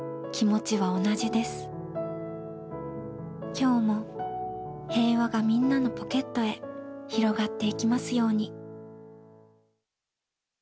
今日も平和がみんなのポケットへ広がっていきますように。